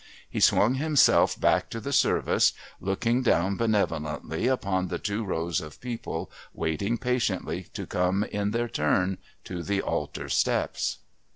He swung himself back to the service, looking down benevolently upon the two rows of people waiting patiently to come in their turn to the altar steps.